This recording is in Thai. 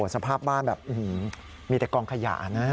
สภาพบ้านแบบมีแต่กองขยะนะ